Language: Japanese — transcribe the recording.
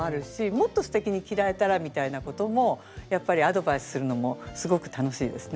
もっとすてきに着られたらみたいなこともやっぱりアドバイスするのもすごく楽しいですね。